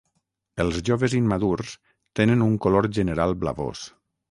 Els joves immadurs tenen un color general blavós.